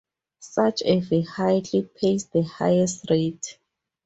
Such a vehicle pays the highest rate.